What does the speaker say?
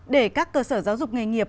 để các cơ sở giáo dục nghề nghiệp